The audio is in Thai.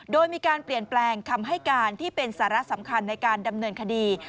โดยมีการเปลี่ยนแปลงคำให้การที่เป็นสาระสำคัญในการดำเนินคดี